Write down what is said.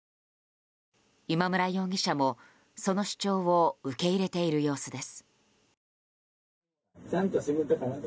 今村容疑者もその主張を受け入れている様子です。